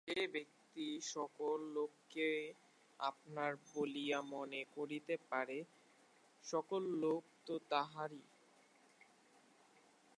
যে ব্যক্তি সকল লোককে আপনার বলিয়া মনে করিতে পারে, সকল লোক তো তাহারই।